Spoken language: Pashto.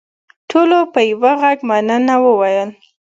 ټولو په یوه غږ مننه وویل.